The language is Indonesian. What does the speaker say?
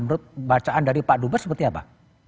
menurut bacaan dari pak dubes seperti apa